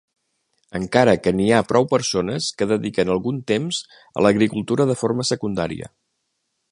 Encara que n’hi ha prou persones que dediquen algun temps a l’agricultura de forma secundària.